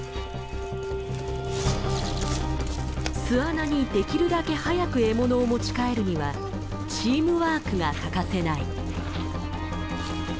巣穴にできるだけ早く獲物を持ち帰るにはチームワークが欠かせない。